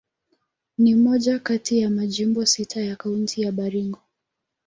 Ni moja kati ya majimbo sita ya Kaunti ya Baringo.